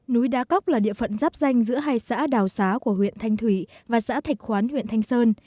núi đá cóc là địa phận giáp danh giữa hai xã đào xá của huyện thanh thủy và xã thạch khoán huyện thanh sơn